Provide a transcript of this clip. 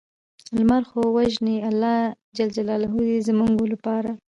لمر خو مه وژنې الله ج زموږ لپاره